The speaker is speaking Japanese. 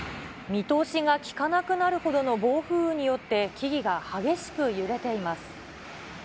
見通しが利かなくなるほどの暴風雨によって木々が激しく揺れています。